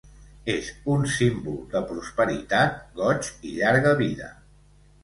És un símbol de prosperitat, goig i llarga vida.